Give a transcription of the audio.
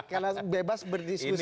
karena bebas berdiskusi